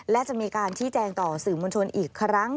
และจะมีการชี้แจงต่อสื่อมวลชนอีกครั้ง